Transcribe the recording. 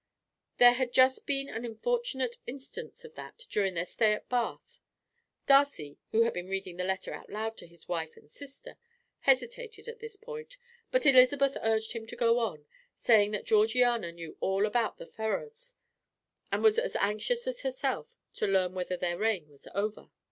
There had just been an unfortunate instance of that during their stay at Bath. Darcy, who had been reading the letter out loud to his wife and sister, hesitated at this point, but Elizabeth urged him to go on, saying that Georgiana knew all about the Ferrars, and was as anxious as herself to learn whether their reign was over.